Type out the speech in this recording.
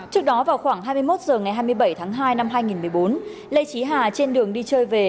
trước đó vào khoảng hai mươi một h ngày hai mươi bảy tháng hai năm hai nghìn một mươi bốn lê trí hà trên đường đi chơi về